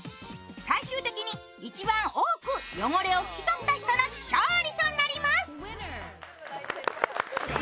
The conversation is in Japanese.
最終的に一番多く汚れを拭き取った人の勝利となります。